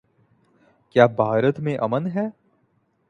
کیا بھارت میں امن ہے؟